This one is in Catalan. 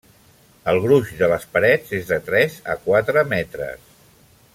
El gruix de les parets és de tres a quatre metres.